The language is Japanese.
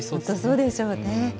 そうでしょうね。